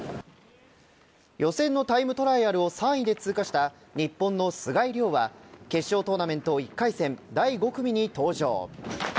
予選のタイムトライアルを３位で通過した日本の須貝龍は決勝トーナメント１回戦第５組に登場。